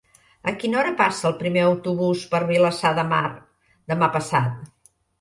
A quina hora passa el primer autobús per Vilassar de Mar demà passat?